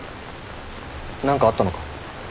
何かあったのか？